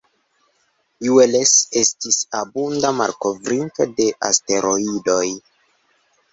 Juels estis abunda malkovrinto de asteroidoj.